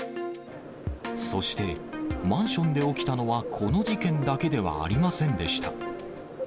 そして、マンションで起きたのはこの事件だけではありませんでした。